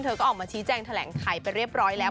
เธอก็ออกมาชี้แจงแถลงไขไปเรียบร้อยแล้ว